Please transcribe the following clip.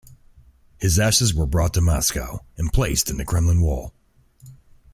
His ashes were brought to Moscow and placed in the Kremlin wall.